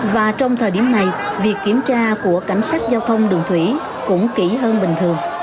và trong thời điểm này việc kiểm tra của cảnh sát giao thông đường thủy cũng kỹ hơn bình thường